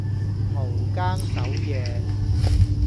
熬更守夜